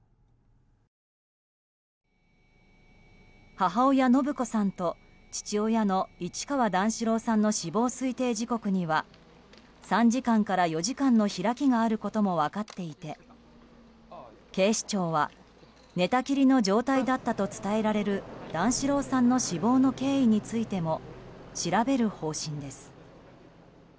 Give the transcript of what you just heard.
母親・延子さんと父親の市川段四郎さんの死亡推定時刻には３時間から４時間の開きがあることも分かっていて警視庁は、寝たきりの状態だったと伝えられる段四郎さんの死亡の経緯についても調べる方針です。